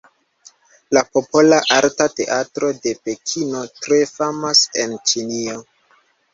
La Popola Arta Teatro de Pekino tre famas en Ĉinio.